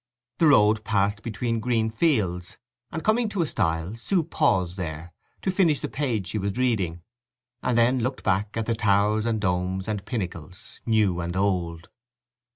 The road passed between green fields, and coming to a stile Sue paused there, to finish the page she was reading, and then looked back at the towers and domes and pinnacles new and old.